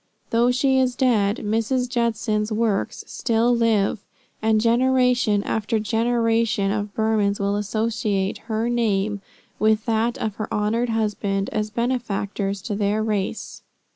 Though she is dead, Mrs. Judson's works still live; and generation after generation of Burmans will associate her name with that of her honored husband, as benefactors to their race.